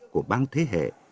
của bang thế hệ